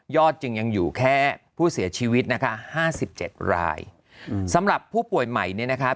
จึงยังอยู่แค่ผู้เสียชีวิตนะคะห้าสิบเจ็ดรายอืมสำหรับผู้ป่วยใหม่เนี่ยนะคะ